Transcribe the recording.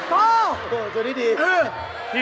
ท่อหารนี่ดี